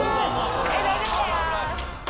大丈夫だよ。